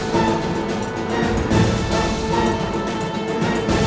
คือทีม